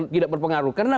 tidak berpengaruh karena